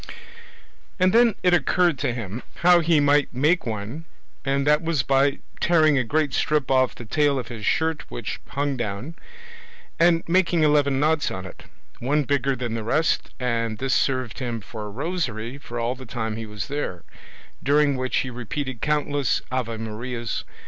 And then it occurred to him how he might make one, and that was by tearing a great strip off the tail of his shirt which hung down, and making eleven knots on it, one bigger than the rest, and this served him for a rosary all the time he was there, during which he repeated countless ave marias.